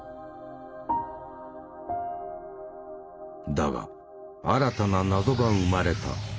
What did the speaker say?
だが新たな謎が生まれた。